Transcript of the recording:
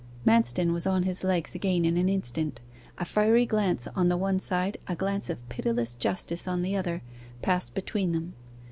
Manston was on his legs again in an instant. A fiery glance on the one side, a glance of pitiless justice on the other, passed between them.